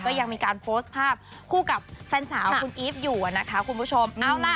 ยังมีการโพสต์ภาพคู่กับแฟนสาวคุณอีฟอยู่นะคะคุณผู้ชม